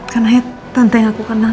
karena tante yang aku kenal